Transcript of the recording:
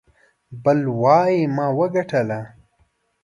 بل وايي ما وګاټه.